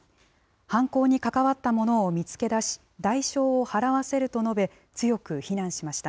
犯行に関わった者を見つけ出し、代償を払わせると述べ、強く非難しました。